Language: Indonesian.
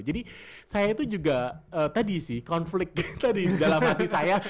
jadi saya itu juga tadi sih konflik tadi dalam hati saya